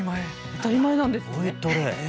当たり前なんですね。